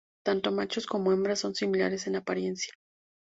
Tanto machos como hembras son similares en apariencia.